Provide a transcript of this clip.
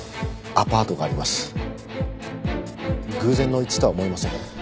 偶然の一致とは思えません。